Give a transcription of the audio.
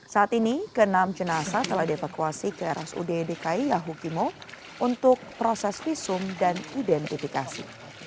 saat ini ke enam jenasa telah dievakuasi ke rsud dki yahukimo untuk proses visum dan identifikasi